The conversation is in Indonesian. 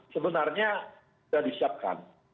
sebenarnya sudah disiapkan